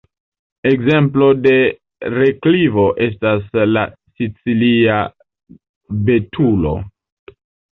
Ekzemplo de relikvo estas la sicilia betulo.